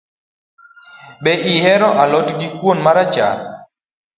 Be ihero a lot gi kuon marachar.